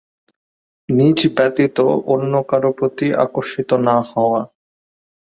নিজ ব্যতীত অন্য কারো প্রতি আকর্ষিত না হওয়া।